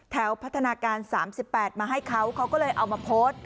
พัฒนาการ๓๘มาให้เขาเขาก็เลยเอามาโพสต์